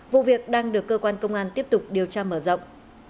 vụ việc đang được cơ quan công an tiếp tục điều tra mở rộng